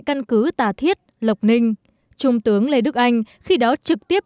căn cứ tà thiết lộc ninh trung tướng lê đức anh khi đó trực tiếp